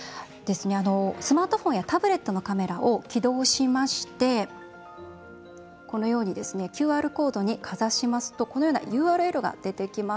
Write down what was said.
スマートフォンやタブレットのカメラを起動しましてＱＲコードにかざしますとこのようなＵＲＬが出てきます。